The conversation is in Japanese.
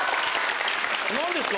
何ですか？